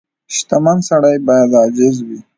• شتمن سړی باید عاجز وي.